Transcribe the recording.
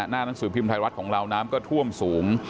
หน้านักศูนย์พิมพ์ไทยวัฒน์ของเราน้ำก็ท่วมสูง